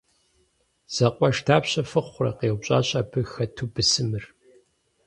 - Зэкъуэш дапщэ фыхъурэ? - къеупщӀащ абы хэту бысымыр.